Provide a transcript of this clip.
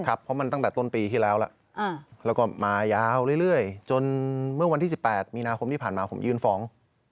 เพราะมันตั้งแต่ต้นปีที่แล้วแล้วแล้วก็มายาวเรื่อยจนเมื่อวันที่๑๘มีนาคมที่ผ่านมาผมยื่นฟ้อง